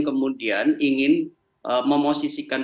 kemudian ingin memosisikan